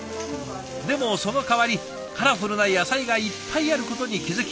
でもそのかわりカラフルな野菜がいっぱいあることに気付き